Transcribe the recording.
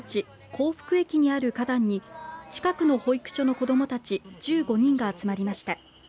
幸福駅にある花壇に近くの保育所の子どもたち１５人が集まりました。